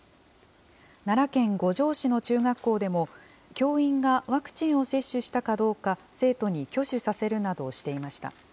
奈良県五條市の中学校でも、教員がワクチンを接種したかどうか、生徒に挙手させるなどしていました。